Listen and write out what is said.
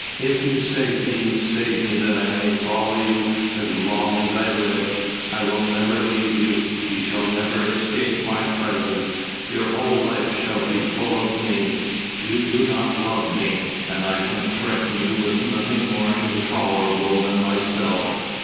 If you save me, you save me that I may follow you as long as I live. I will never leave you. You shall never escape my presence, your whole life shall be full of me you do not love me, and I can threaten you with nothing more intolerable than myself.